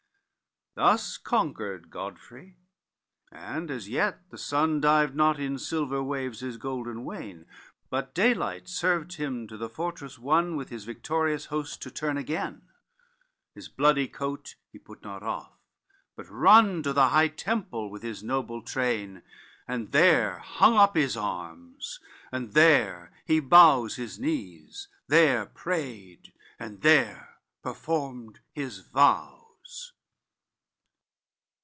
CXLIV Thus conquered Godfrey, and as yet the sun Dived not in silver waves his golden wain, But daylight served him to the fortress won With his victorious host to turn again, His bloody coat he put not off, but run To the high temple with his noble train, And there hung up his arms, and there he bows His knees, there prayed, and there performed his vows.